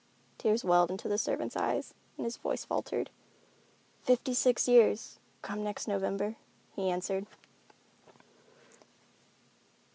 Tears welled into the servant's eyes, and his voice faltered. "Fifty six years, come next November," he answered.